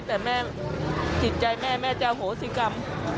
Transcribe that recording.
แต่แม่ผิดใจแม่แม่จะเอาโศกรรม